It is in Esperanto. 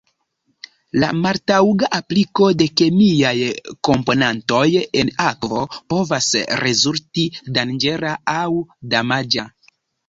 La maltaŭga apliko de kemiaj komponantoj en akvo povas rezulti danĝera aŭ damaĝa.